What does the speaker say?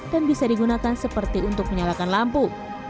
dan bisa digunakan seperti untuk menyalakan lampu